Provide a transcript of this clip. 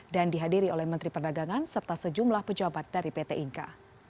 dan dihadiri oleh menteri perdagangan serta sejumlah pejabat dari pt inka